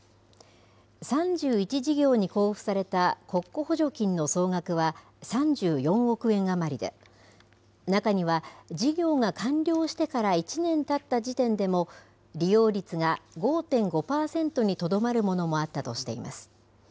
３１事業に交付された国庫補助金の総額は３４億円余りで、中には事業が完了してから１年たった時点でも利用率が５．５％にとどまるものもあったとしています。